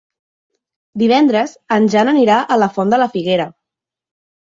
Divendres en Jan anirà a la Font de la Figuera.